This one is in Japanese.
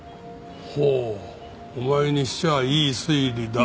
ほうお前にしちゃいい推理だ。